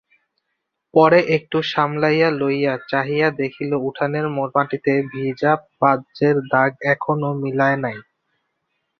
পরে একটু সামলাইয়া লইয়া চাহিযা দেখিল উঠানের মাটিতে ভিজা পায্যের দাগ এখনও মিলায় নাই।